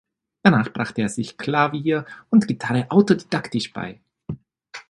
Danach brachte er sich Klavier und Gitarre autodidaktisch bei.